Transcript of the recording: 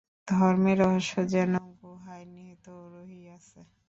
ধর্মের রহস্য যেন গুহায় নিহিত রহিয়াছে।